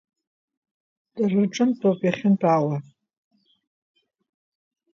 Дара рҿынтәоуп иахьынтәаауа.